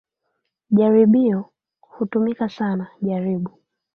"Jaribio, hutumika sana jaribu"